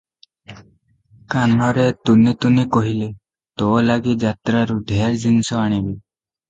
କାନରେ ତୁନି ତୁନି କହିଲେ, "ତୋ ଲାଗି ଯାତ୍ରାରୁ ଢେର ଜିନିଷ ଆଣିବି ।"